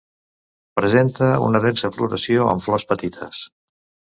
Presenta una densa floració amb flors petites.